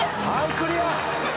クリア。